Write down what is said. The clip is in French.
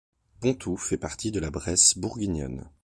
Pontoux fait partie de la Bresse bourguignonne.